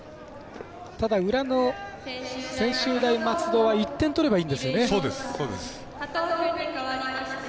ただ、裏の専修大松戸は１点取ればいいんですよね。